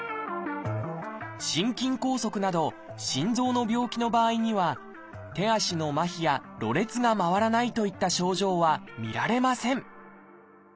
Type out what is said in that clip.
心筋梗塞など心臓の病気の場合には手足のまひやろれつがまわらないといった症状は見られません